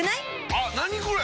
あっ何これ！